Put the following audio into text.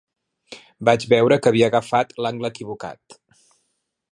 Vaig veure que havia agafat l'angle equivocat.